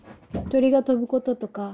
鳥が飛ぶこととか